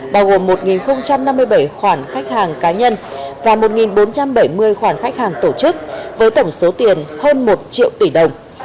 bao gồm một năm mươi bảy khoản khách hàng cá nhân và một bốn trăm bảy mươi khoản khách hàng tổ chức với tổng số tiền hơn một triệu tỷ đồng